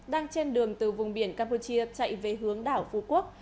đang trên đường từ vùng biển campuchia chạy về hướng đảo phú quốc